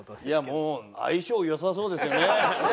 いやもう相性良さそうですよね。